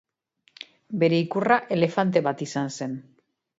Bere ikurra elefante bat izan zen.